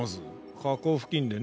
火口付近でね